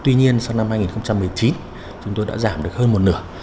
tuy nhiên sau năm hai nghìn một mươi chín chúng tôi đã giảm được hơn một nửa